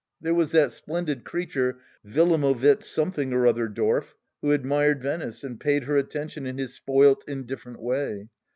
There was that splendid creature Willamowitz Something or other dorf, who admired Venice, and paid her attention in his spoilt, indifferent way.